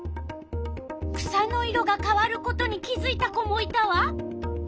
草の色が変わることに気づいた子もいたわ。